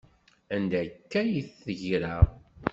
Anda akka ay d-teggra?